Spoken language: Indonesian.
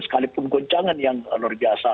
sekalipun goncangan yang luar biasa